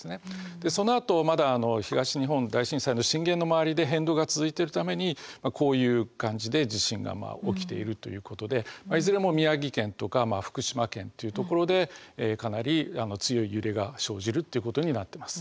でそのあとまだ東日本大震災の震源の周りで変動が続いてるためにこういう感じで地震が起きているということでいずれも宮城県とか福島県という所でかなり強い揺れが生じるっていうことになってます。